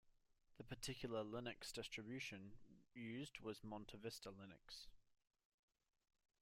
The particular Linux distribution used was MontaVista Linux.